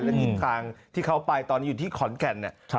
และทิศทางที่เขาไปตอนนี้อยู่ที่ขอนแก่นเนี่ย